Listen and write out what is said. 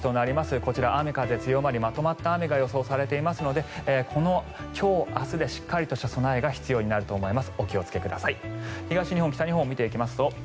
こちら雨、風強まりまとまった雨が予想されていますので今日、明日でしっかりした備えが必要になると思います。